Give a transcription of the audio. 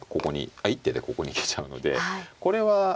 あっ一手でここに行けちゃうのでこれは一手まあ